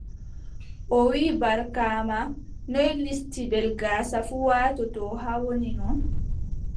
O wii, Barkaama, noy listibel gaasa fuu waatoto haa wonino?